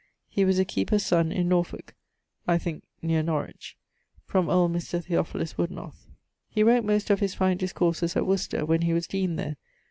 he was a keeper's son in Norfolke (I thinke, neer Norwich). From old Mr. Theophilus Woodenoth. He wrote most of his fine discourses at Worcester, when he was deane there.